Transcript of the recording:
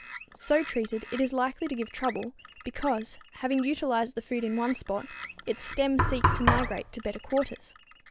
So treated, it is likely to give trouble, because, having utilized the food in one spot, its stems seek to migrate to better quarters.